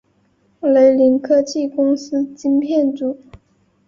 雷凌科技公司晶片组。